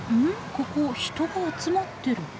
ここ人が集まってる。